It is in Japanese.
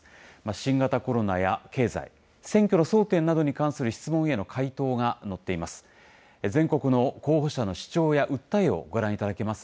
新型コロナや経済、選挙の争点などに関する質問への回答が載っています。